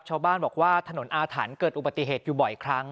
ชาวบ้านบอกว่าถนนอาถรรพ์เกิดอุบัติเหตุอยู่บ่อยครั้ง